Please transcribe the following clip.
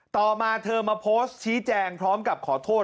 ต่อมาเธอมาโพสต์ชี้แจงพร้อมกับขอโทษ